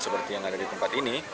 seperti yang ada di tempat ini